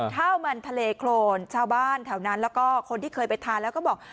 ข้าวมันทะเลโครนชาวบ้านแถวนั้นแล้วก็คนที่เคยไปทานแล้วก็บอก